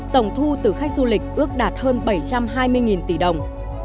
tổng thu từ khách du lịch ước đạt hơn bảy trăm hai mươi tỷ đồng